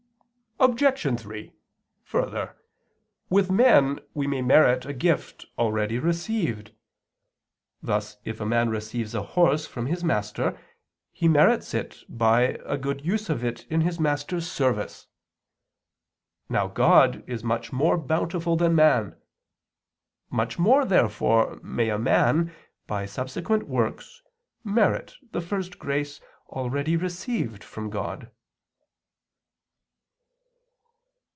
Obj. 3: Further, with men we may merit a gift already received. Thus if a man receives a horse from his master, he merits it by a good use of it in his master's service. Now God is much more bountiful than man. Much more, therefore, may a man, by subsequent works, merit the first grace already received from God.